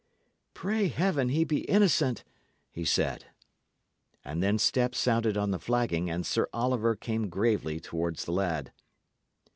"Pray Heaven he be innocent!" he said. And then steps sounded on the flagging, and Sir Oliver came gravely towards the lad.